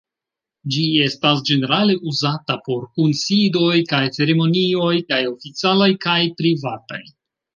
Ĝi estas ĝenerale uzata por kunsidoj kaj ceremonioj, kaj oficialaj kaj privataj.